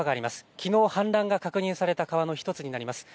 きのう氾濫が確認された川の１つになります。